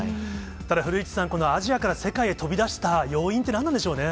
ただ古市さん、このアジアから世界に飛び出した要因って何なんでしょうね。